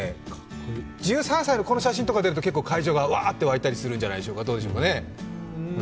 １３歳のこの写真とか出ると会場がワッと沸いたりするんじゃないですかね？